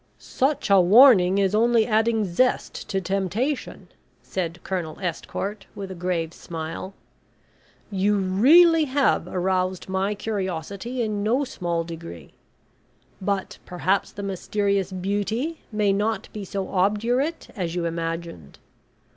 "Such a warning is only adding zest to temptation," said Colonel Estcourt, with a grave smile. "You really have aroused my curiosity in no small degree. But perhaps the mysterious beauty may not be so obdurate as you imagined.